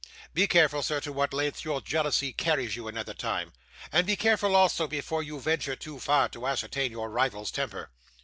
Be careful, sir, to what lengths your jealousy carries you another time; and be careful, also, before you venture too far, to ascertain your rival's temper.